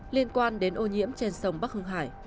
liên quan đến ô nhiễm trên sông bắc hưng hải